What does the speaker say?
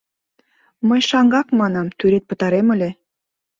Мый шаҥгак, манам, тӱред пытарем ыле.